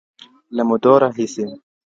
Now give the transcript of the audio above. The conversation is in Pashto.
له مودو راهسي